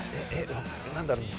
何だろう？